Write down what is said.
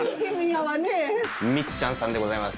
みっちゃんさんでございます。